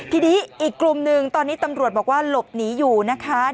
ทีนี้อีกกลุ่มหนึ่งตอนนี้ตำรวจบอกว่าหลบหนีอยู่นะคะ